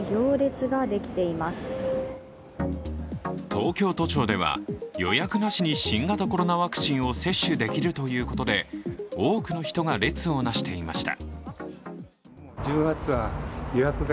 東京都庁では、予約なしに新型コロナワクチンを接種できるということで多くの人が列をなしていました。